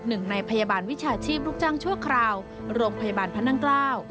หนึ่งในพยาบาลวิชาชีพลูกจ้างชั่วคราวโรงพยาบาลพระนั่งเกล้า